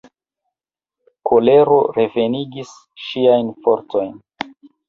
Kolero revenigis ŝiajn fortojn.